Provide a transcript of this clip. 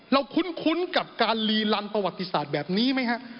คุ้นกับการลีลันประวัติศาสตร์แบบนี้ไหมฮะ